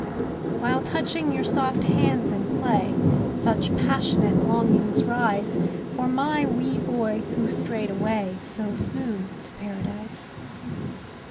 While touching your soft hands in play Such passionate longings rise For my wee boy who strayed away So soon to Paradise.